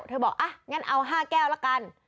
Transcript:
บอกอ่ะงั้นเอา๕แก้วละกัน